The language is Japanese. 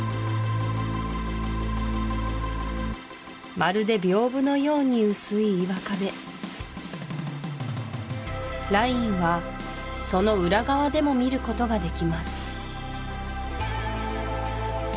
まるで屏風のように薄い岩壁ラインはその裏側でも見ることができます